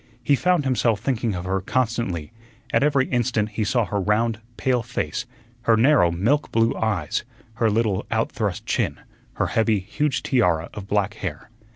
He found himself thinking of her constantly; at every instant he saw her round, pale face; her narrow, milk blue eyes; her little out thrust chin; her heavy, huge tiara of black hair.